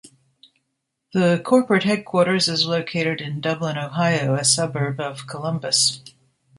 The corporate headquarters is located in Dublin, Ohio, a suburb of Columbus.